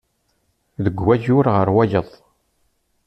Deg wayyur ɣer wayeḍ.